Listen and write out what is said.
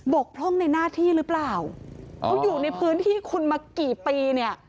กพร่องในหน้าที่หรือเปล่าเขาอยู่ในพื้นที่คุณมากี่ปีเนี่ย